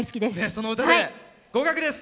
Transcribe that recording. その歌で合格です。